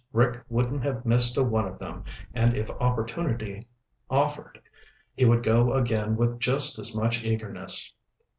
Rick wouldn't have missed a one of them, and if opportunity offered he would go again with just as much eagerness.